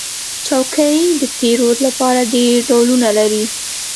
چوکۍ د پیرود لپاره ډېر ډولونه لري.